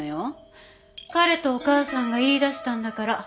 彼とお義母さんが言いだしたんだから。